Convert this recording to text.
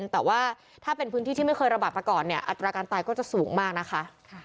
แต่ว่าถ้าเป็นพื้นที่ที่ไม่เคยระบาดมาก่อนเนี่ยอัตราการตายก็จะสูงมากนะคะ